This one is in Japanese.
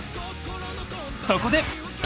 ［そこで］